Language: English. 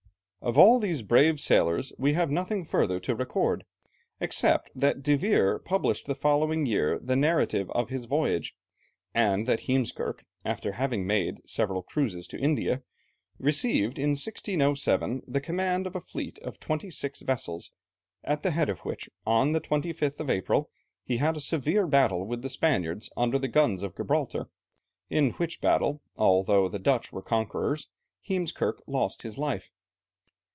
Of all these brave sailors we have nothing further to record except that De Veer published the following year the narrative of his voyage, and that Heemskerke after having made several cruises to India, received in 1607 the command of a fleet of twenty six vessels, at the head of which, on the 25th of April, he had a severe battle with the Spaniards under the guns of Gibraltar, in which battle, although the Dutch were the conquerers, Heemskerke lost his life.